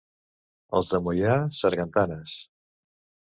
Els de Moià, sargantanes.